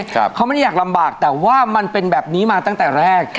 เขาไม่ได้อยากลำบากแต่ว่ามันเป็นแบบนี้มาตั้งแต่แรก